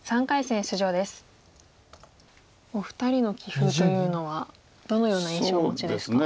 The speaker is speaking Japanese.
お二人の棋風というのはどのような印象をお持ちですか？